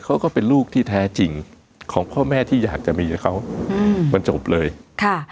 ก็เป็นลูกที่แท้จริงของพ่อแม่ที่อยากจะมีเขาอืมมันจบเลยค่ะ